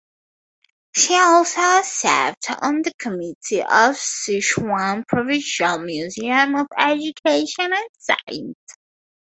She also served on the committee of Sichuan Provincial Museum of Education and Science.